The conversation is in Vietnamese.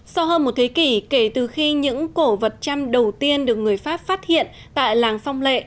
sau hơn một thế kỷ kể từ khi những cổ vật trăm đầu tiên được người pháp phát hiện tại làng phong lệ